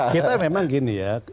kita memang gini ya